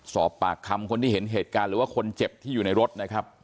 สอบปากคำคนที่เห็นเหตุการณ์หรือว่าคนเจ็บที่อยู่ในรถนะครับ